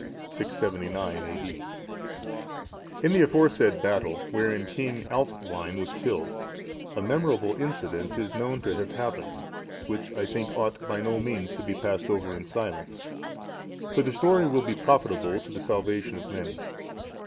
[679 A.D.] In the aforesaid battle, wherein King Aelfwine was killed, a memorable incident is known to have happened, which I think ought by no means to be passed over in silence; for the story will be profitable to the salvation of many.